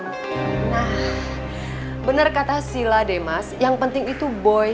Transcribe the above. nah bener kata sila deh mas yang penting itu bu ayu